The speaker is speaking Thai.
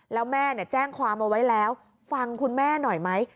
แล้วแม่แจ้งความเอาไว้แล้วฟังคุณแม่หน่อยไหม